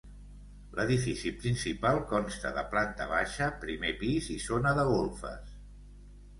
L'edifici principal consta de planta baixa, primer pis i zona de golfes.